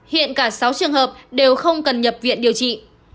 hiện cả sáu trường hợp đều không cần nhập viện điều trị